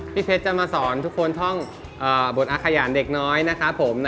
เพชรจะมาสอนทุกคนท่องบทอาขยานเด็กน้อยนะครับผม